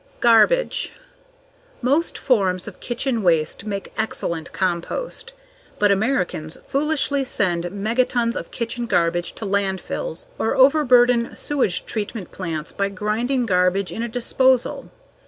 _ _Garbage. _Most forms of kitchen waste make excellent compost. But Americans foolishly send megatons of kitchen garbage to landfills or overburden sewage treatment plants by grinding garbage in a disposal.